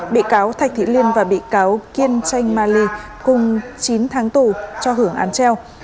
bị cáo thạch thị liên và bị cáo kiên chanh ma ly cùng chín tháng tù cho hưởng án treo